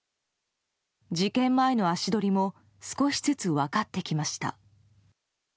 事件前の足取りも少しずつ分かってきました。